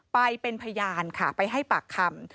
ไปเป็นพยานค่ะไปให้ปากคำ